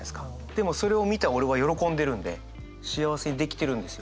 でもそれを見た俺は喜んでるんで幸せにできてるんですよ。